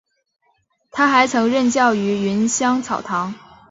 他还曾任教于芸香草堂。